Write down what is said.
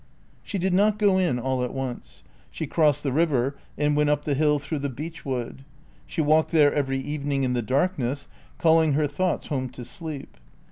She did not go in all at once. She crossed the river and went up the hill through the beech wood. She walked there every evening in the darkness, calling her thoughts home to sleep.